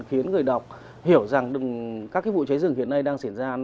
khiến người đọc hiểu rằng các vụ cháy rừng hiện nay đang xảy ra